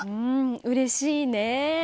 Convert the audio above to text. うれしいね。